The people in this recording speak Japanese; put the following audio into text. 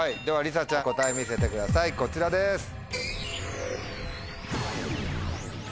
ではりさちゃん答え見せてくださいこちらです。